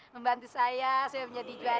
membantu saya saya menjadi guru